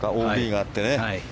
ＯＢがあってね。